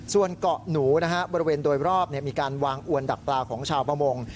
ส่วนเกาะหนูบริเวณโดยรอบมีการวางอวนดักปลาของชาวประมง